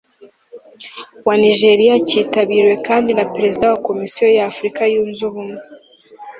wa Nigeria Cyitabiriwe kandi na Perezida wa Komisiyo y Afurika yunze Ubumwe